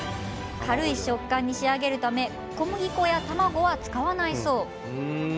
軽い食感に仕上げるため小麦粉や卵は使わないそう。